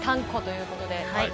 こということで。